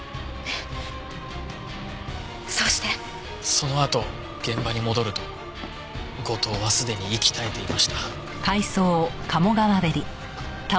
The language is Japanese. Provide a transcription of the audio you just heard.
そのあと現場に戻ると後藤はすでに息絶えていました。